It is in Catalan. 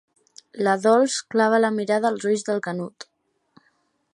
La Dols clava la mirada als ulls del Canut.